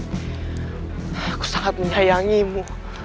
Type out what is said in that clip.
aku sangat menyayangimu